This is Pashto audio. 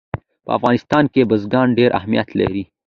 په افغانستان کې بزګان ډېر اهمیت لري.